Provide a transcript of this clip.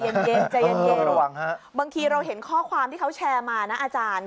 ใจเย็นบางทีเราเห็นข้อความที่เขาแชร์มานะอาจารย์